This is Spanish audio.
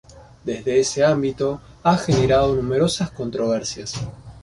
Desde ese ámbito, ha generado numerosas controversias.